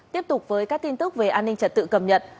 tiếp tục với các tin tức về an ninh trật tự cầm nhận